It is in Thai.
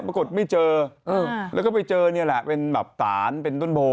ปรากฏไม่เจอแล้วก็ไปเจอเป็นตานเป็นต้นโพ